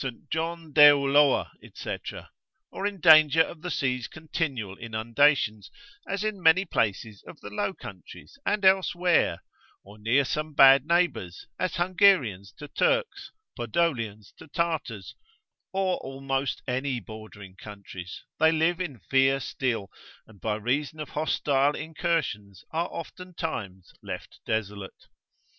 John de Ulloa, &c., or in danger of the sea's continual inundations, as in many places of the Low Countries and elsewhere, or near some bad neighbours, as Hungarians to Turks, Podolians to Tartars, or almost any bordering countries, they live in fear still, and by reason of hostile incursions are oftentimes left desolate.